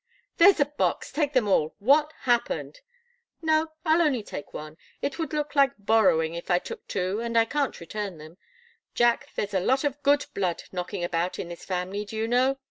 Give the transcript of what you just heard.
"There's the box. Take them all. What happened?" "No I'll only take one it would look like borrowing if I took two, and I can't return them. Jack, there's a lot of good blood knocking about in this family, do you know?